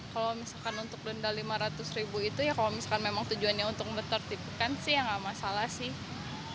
kalau misalkan untuk denda lima ratus ribu itu ya kalau misalkan memang tujuannya untuk menertibkan sih ya nggak masalah sih